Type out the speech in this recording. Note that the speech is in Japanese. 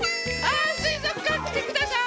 あすいぞくかんきてください。